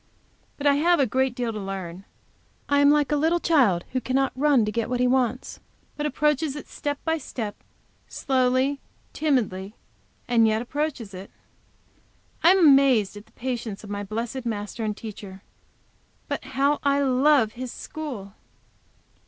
But I have a great deal to learn. I am like a little child who cannot run to get what he wants, but approaches it step by step, slowly, timidly and yet approaches it. I am amazed at the patience of my blessed Master and Teacher, but how I love His school!